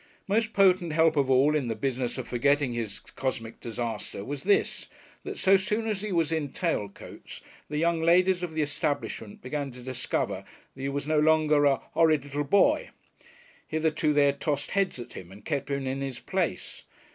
Most potent help of all in the business of forgetting his cosmic disaster was this, that so soon as he was in tail coats the young ladies of the establishment began to discover that he was no longer a "horrid little boy." Hitherto they had tossed heads at him and kept him in his place.